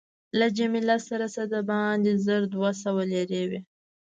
له جميله سره څه باندې زر دوه سوه لیرې وې.